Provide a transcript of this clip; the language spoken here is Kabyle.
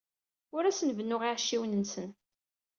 Ur asen-bennuɣ iɛecciwen-nsen.